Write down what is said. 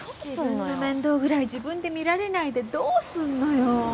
自分の面倒ぐらい自分で見られないでどうすんのよ？